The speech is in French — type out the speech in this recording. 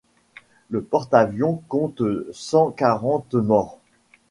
Le porte-avions compte cent quarante morts.